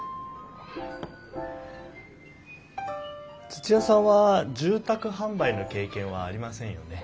土屋さんは住宅販売の経験はありませんよね。